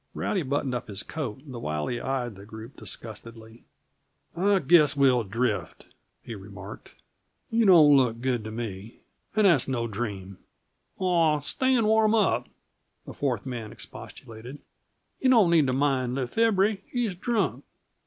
Rowdy buttoned up his coat the while he eyed the group disgustedly. "I guess we'll drift," he remarked. "You don't look good to me, and that's no dream." "Aw, stay and warm up," the fourth man expostulated. "Yuh don't need t' mind Le Febre; he's drunk."